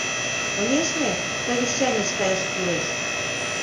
— Конешне, совещанийыш каяш кӱлеш.